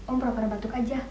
om peraparan batuk aja